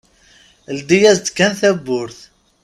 Ldi-yas-d kan tawwurt.